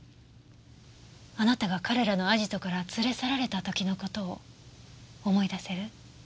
あなたが彼らのアジトから連れ去られた時の事を思い出せる？